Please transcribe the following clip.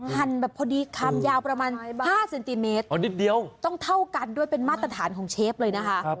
หั่นแบบพอดีคำยาวประมาณ๕เซนติเมตรอ๋อนิดเดียวต้องเท่ากันด้วยเป็นมาตรฐานของเชฟเลยนะคะ